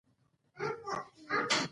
په دې پروژه کې نهه پنځوس کسان ګډون لري.